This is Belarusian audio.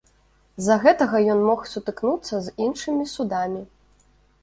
З-за гэтага ён мог сутыкнуцца з іншымі судамі.